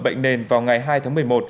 bệnh nền vào ngày hai tháng một mươi một